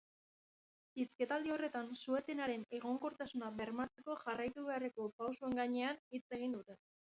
Hizketaldi horretan su-etenaren egonkortasuna bermatzeko jarraitu beharreko pausoen gainean hitz egin dute.